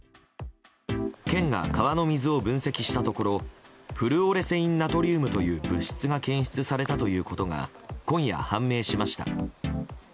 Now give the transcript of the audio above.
県が川の水を分析したところフルオレセインナトリウムという物質が検出されたということが今夜、判明しました。